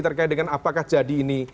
terkait dengan apakah jadi ini